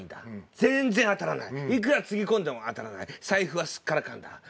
全然当たらないいくらつぎ込んでも当たらない財布はスッカラカンだ